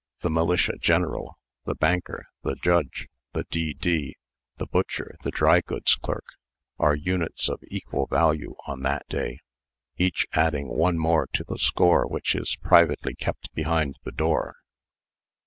The militia general, the banker, the judge, the D.D., the butcher, the drygoods clerk, are units of equal value on that day, each adding one more to the score which is privately kept behind the door.